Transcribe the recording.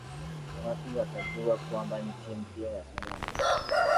watu watajua kwamba nchi mpya ya sudan